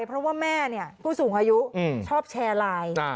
เพราะว่าแม่ก็สูงอายุชอบแชร์ไลน์